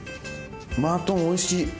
マトンおいしい。